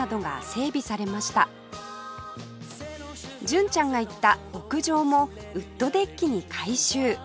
純ちゃんが行った屋上もウッドデッキに改修